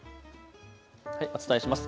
お伝えします。